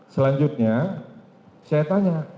selanjutnya saya tanya